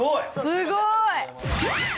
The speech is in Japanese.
すごい！